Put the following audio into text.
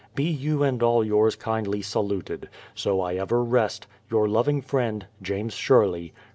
... Be you and all yours kindly saluted. So I ever rest, Your loving friend, JAMES SHERLEY.